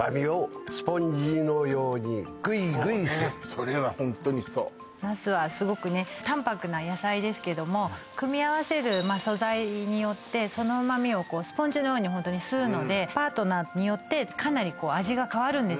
それはホントにそうナスはすごくね淡泊な野菜ですけども組み合わせる素材によってその旨味をスポンジのようにホントに吸うのでパートナーによってかなり味が変わるんですよね